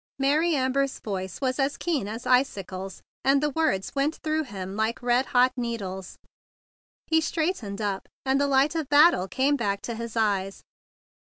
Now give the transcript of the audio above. Mary Amber's voice was keen as icicles, and the words went through him like red hot needles. He straightened up, and the light of battle came back to his eyes.